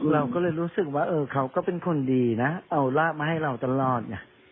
เราก็เลยรู้สึกว่าเขาก็เป็นคนดีนะเอาราบมาให้เราตลอดไง